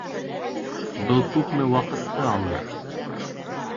Был күпме ваҡытты алыр?